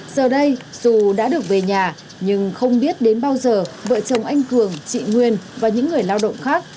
giờ đây dù đã được về nhà nhưng không biết đến bao giờ vợ chồng anh cường chị nguyên và những người lao động khác